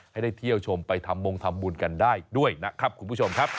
ให้ได้เที่ยวชมไปทำมงทำบุญกันได้ด้วยนะครับคุณผู้ชมครับ